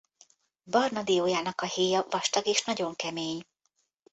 Barna diójának a héja vastag és nagyon kemény.